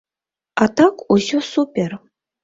А так, усё супер.